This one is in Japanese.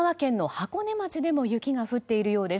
箱根町でも雪が降っているようです。